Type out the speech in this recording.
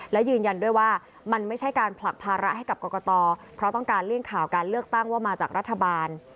และยืนยันด้วยว่ามันไม่ใช่การผลักภาระให้กับกรกตเพราะต้องการเลี่ยงข่าวการเลือกตั้งว่ามาจากรัฐบาล